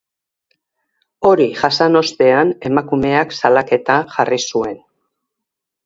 Hori jasan ostean emakumeak salaketa jarri zuen.